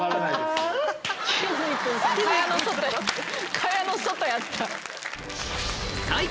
かやの外やった。